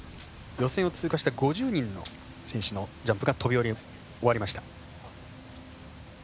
予選を通過した５０人の選手のジャンプが飛び終わりました。